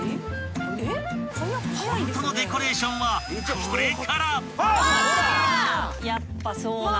［ホントのデコレーションはこれから］